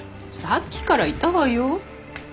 さっきからいたわよ。